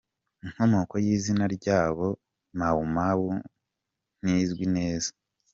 Inkomoko y’izina ryabo, Mau Mau, ntizwi neza.